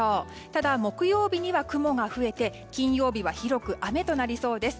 ただ、木曜日には雲が増えて金曜日は広く雨となりそうです。